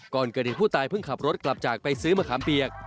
ก่อนเกิดเหตุผู้ตายเพิ่งขับรถกลับจากไปซื้อมะขามเปียก